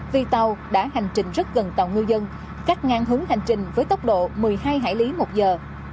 vì tàu đã hành trình rất gần tàu ngư dân cách ngang hướng hành trình với tốc độ một mươi hai hải lý một giờ